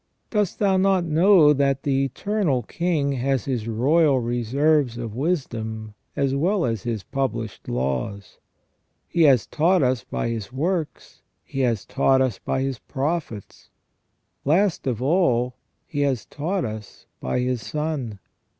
Dost thou not know that the Eternal King has His royal reserves of wisdom, as well as His published laws ? He has taught us by His works. He has taught us by His prophets, last of all He has taught us by His Son.